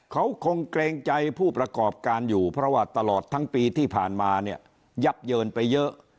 เขาคงเกรงใจผู้ประกอบการอยู่เพราะว่าตลอดทั้งปีที่ผ่านมาเนี่ยยับเยินไปเยอะ